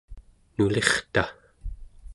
nulirta